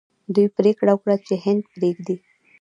دوی پریکړه وکړه چې هند پریږدي.